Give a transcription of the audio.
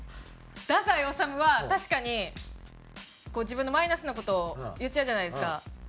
太宰治は確かに自分のマイナスな事を言っちゃうじゃないですか。